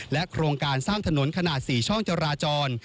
โครงการสร้างถนนขนาด๔ช่องจราจร